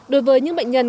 đối với những bệnh nhân